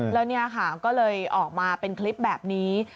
แล้วเนี่ยค่ะก็เลยออกมาเป็นคลิปแบบนี้